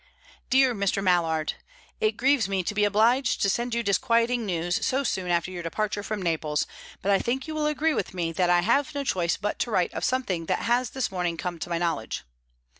"DEAR MR. MALLARD, "It grieves me to be obliged to send you disquieting news so soon after your departure from Naples, but I think you will agree with me that I have no choice but to write of something that has this morning come to my knowledge.